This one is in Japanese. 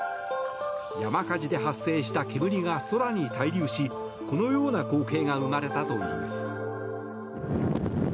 山火事で発生した煙が空に滞留しこのような光景が生まれたといいます。